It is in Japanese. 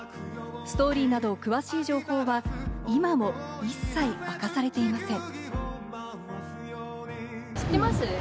ストーリーなどの詳しい情報は今も一切明かされていません。